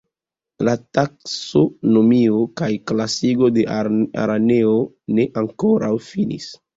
La taksonomio kaj klasigo de araneoj ne ankoraŭ finis.